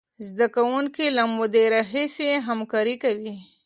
زده کوونکي له مودې راهیسې همکاري کوي.